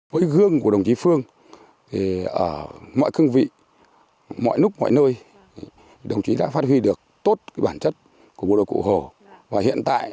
với gương của đồng chí phương mọi cưng vị mọi nút mọi nơi đồng chí đã phát huy được tốt bản chất